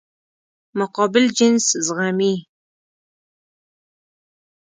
مقابل جنس زغمي.